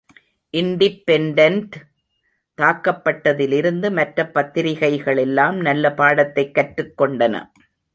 Independent தாக்கப்பட்டதிலிருந்து மற்றப் பத்திரிகைகளெல்லாம் நல்ல பாடத்தைக் கற்றுக் கொண்டன.